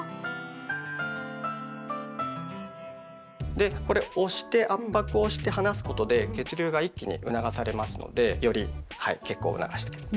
でこれ押して圧迫をして離すことで血流が一気に促されますのでより血行を促していきます。